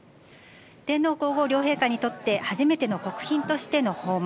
天皇皇后両陛下にとって初めての国賓としての訪問。